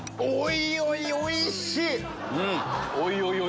おいおいおいしい？